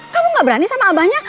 kamu gak berani sama abahnya